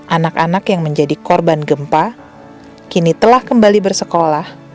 anak anak yang menjadi korban gempa kini telah kembali bersekolah